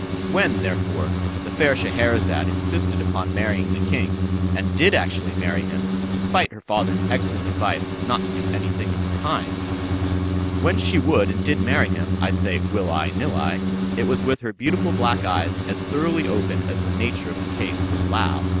When, therefore, the fair Scheherazade insisted upon marrying the king, and did actually marry him despite her father's excellent advice not to do any thing of the kind—when she would and did marry him, I say, will I, nill I, it was with her beautiful black eyes as thoroughly open as the nature of the case would allow.